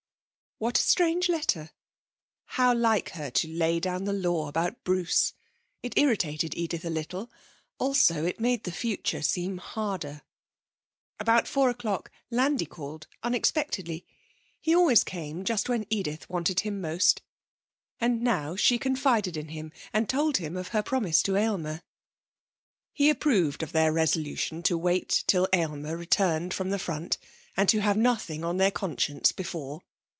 What a strange letter. How like her to lay down the law about Bruce! It irritated Edith a little, also it made the future seem harder. About four o'clock Landi called unexpectedly. He always came just when Edith wanted him most, and now she confided in him and told him of her promise to Aylmer. He approved of their resolution to wait till Aylmer returned from the front and to have nothing on their conscience before.